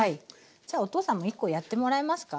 じゃあお父さんも１コやってもらいますか？